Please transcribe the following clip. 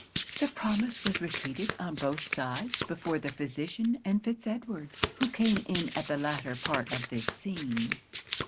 'The promise was repeated on both sides before the physician and Fitz Edward, who came in at the latter part of this scene.